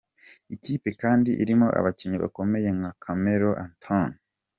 Iyi kipe kandi irimo abakinnyi bakomeye nka Carmelo Anthony.